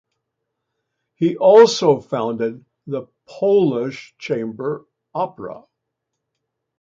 He also founded the Polish Chamber Opera.